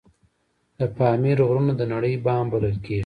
د پامیر غرونه د نړۍ بام بلل کیږي